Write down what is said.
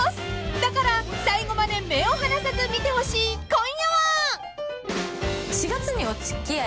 だから最後まで目を離さず見てほしい今夜は］